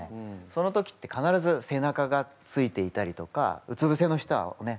その時って必ず背中がついていたりとかうつぶせの人はね